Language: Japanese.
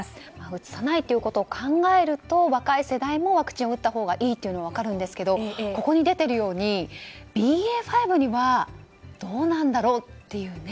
うつさないということを考えると、若い世代もワクチンを打ったほうがいいというのは分かるんですけどここに出ているようにＢＡ．５にはどうなんだろうっていうね。